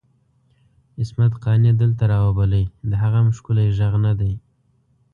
عصمت قانع دلته راوبلئ د هغه هم ښکلی ږغ ندی؟!